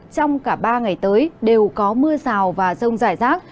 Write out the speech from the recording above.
trong cả ba ngày tới đều có mưa rào và rông rải rác